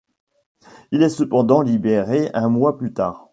Il est cependant libéré un mois plus tard.